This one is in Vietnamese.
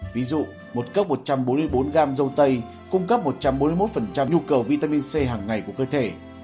ví dụ một cốc một trăm bốn mươi bốn gram dâu tây cung cấp một trăm bốn mươi một nhu cầu vitamin c hàng ngày của cơ thể